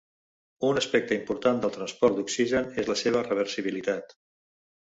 Un aspecte important del transport d'oxigen és la seva reversibilitat.